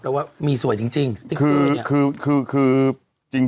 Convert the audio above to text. แล้วว่ามีสวยจริง